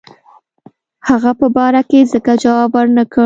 هغه په باره کې ځکه جواب ورنه کړ.